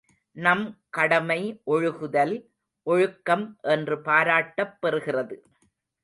நம் கடமை ஒழுகுதல், ஒழுக்கம் என்று பாராட்டப் பெறுகிறது.